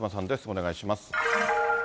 お願いします。